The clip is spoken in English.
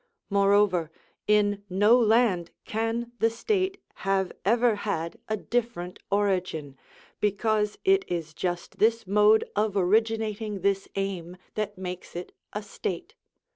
Moreover, in no land can the state have ever had a different origin, because it is just this mode of originating this aim that makes it a state.